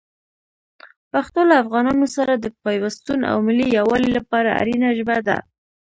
پښتو له افغانانو سره د پیوستون او ملي یووالي لپاره اړینه ژبه ده.